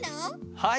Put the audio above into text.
はい。